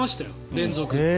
連続。